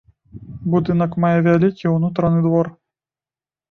Будынак мае вялікі ўнутраны двор.